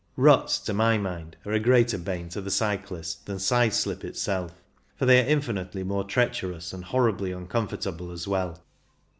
WHAT ARE THE RISKS? 197 Ruts, to my mind, are a greater bane to the cyclist than sideslip itself, for they are infinitely more treacherous and horribly uncomfortable as well.